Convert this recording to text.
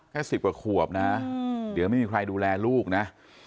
แค่๑๐กว่าขวบนะเดี๋ยวไม่มีใครดูแลลูกนะ